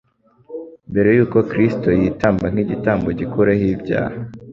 Mbere y'uko Kristo yitamba nk'igitambo gikuraho ibyaha,